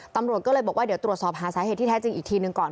ตำรวจก็เลยบอกว่าเดี๋ยวตรวจสอบหาสาเหตุที่แท้จริงอีกทีหนึ่งก่อน